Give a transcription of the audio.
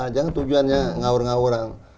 jangan tujuannya ngaur ngauran